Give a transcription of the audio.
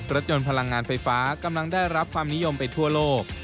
รถยนต์พลังงานไฟฟ้ากำลังได้รับความนิยมไปทั่วโลก